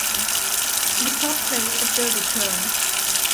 The club played at Derby Turn.